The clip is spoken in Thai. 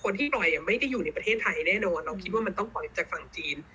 เนี่ยเราคิดว่ามันต้องปล่อยจากฝั่งจีน